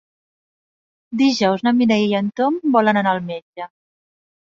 Dijous na Mireia i en Tom volen anar al metge.